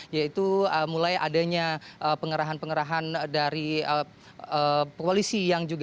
yaitu mulai adanya pengerahan pengerahan dari polisi